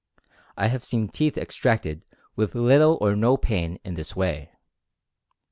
I have seen teeth extracted with little or no pain in this way.